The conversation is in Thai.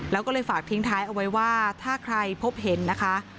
แล้วก็เลยฝากทิ้งท้ายเอาไว้ว่าถ้าใครพบเห็นนะคะ